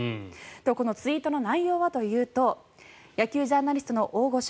このツイートの内容はというと野球ジャーナリストの大御所